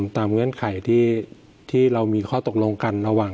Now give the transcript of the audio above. เงื่อนไขที่เรามีข้อตกลงกันระหว่าง